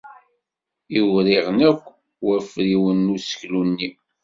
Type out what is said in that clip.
Iwriɣen akk wafriwen n useklu-nni.